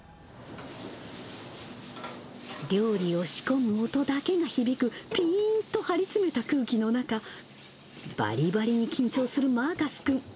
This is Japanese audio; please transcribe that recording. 料理を仕込む音だけが響くぴーんと張りつめた空気の中、ばりばりに緊張するマーカス君。